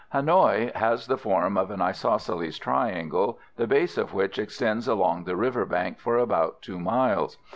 Hanoï has the form of an isosceles triangle, the base of which extends along the river bank for about 2 miles.